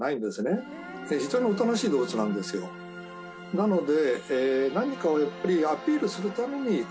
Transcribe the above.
なので。